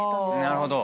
なるほど。